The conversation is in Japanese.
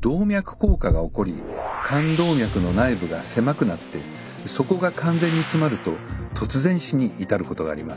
動脈硬化が起こり冠動脈の内部が狭くなってそこが完全に詰まると突然死に至ることがあります。